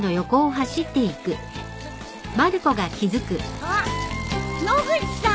あっ野口さん！